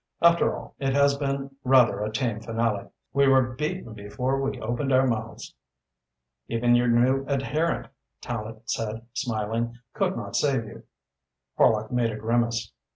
"After all, it has been rather a tame finale. We were beaten before we opened our mouths." "Even your new adherent," Tallente said, smiling, "could not save you." Horlock made a grimace.